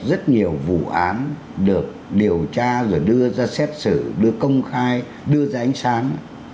rất nhiều vụ án được điều tra rồi đưa ra xét xử đưa công khai đưa ra ánh sáng